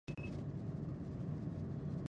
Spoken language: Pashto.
په کیریج وې کې باید کمپکشن ټسټ پینځه نوي سلنه وي